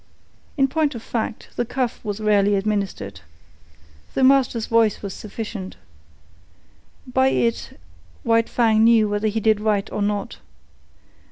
In point of fact, the cuff was rarely administered. The master's voice was sufficient. By it White Fang knew whether he did right or not.